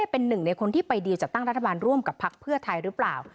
เป็นหนึ่งในคนที่ไปดีจัดตั้งรัฐบาลร่วมกับพักเพื่อไทยหรือเปล่า